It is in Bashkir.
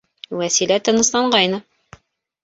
Вәсилә тынысланғайны.